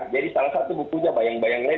jadi salah satu bukunya bayang bayang lenin